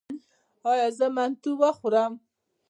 ایا زه منتو وخورم؟